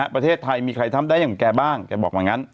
ประเทศไทยมีใครทำได้อย่างแกบ้าง